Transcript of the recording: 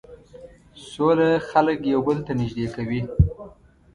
سوله خلک یو بل ته نژدې کوي.